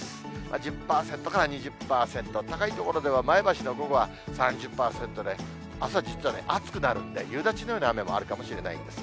１０％から２０％、高い所では前橋の午後は３０％で、あすは実は暑くなるんで、夕立のような雨もあるかもしれないんです。